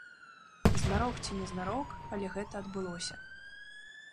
Знарок ці незнарок, але гэта адбылося.